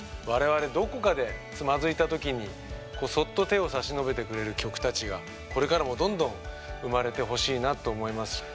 我々どこかでつまずいたときにそっと手を差し伸べてくれる曲たちがこれからもどんどん生まれてほしいなと思います。